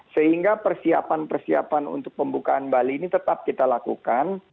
sehingga persiapan persiapan untuk pembukaan bali ini tetap kita lakukan